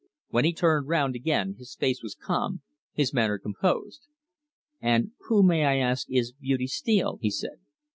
When he turned round again his face was calm, his manner composed. "And who, may I ask, is Beauty Steele?" he said.